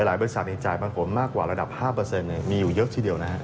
บริษัทจ่ายปันผลมากกว่าระดับ๕มีอยู่เยอะทีเดียวนะครับ